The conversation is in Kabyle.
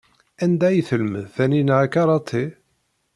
Anda ay telmed Taninna akaraṭi?